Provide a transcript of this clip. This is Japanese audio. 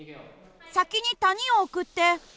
先に谷を送って。